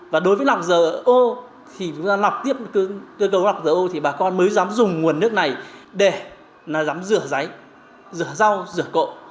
và đối với lọc dở ô thì lọc tiếp cơ cầu lọc dở ô thì bà con mới dám dùng nguồn nước này để là dám rửa giấy rửa rau rửa cộ